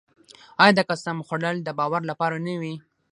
آیا د قسم خوړل د باور لپاره نه وي؟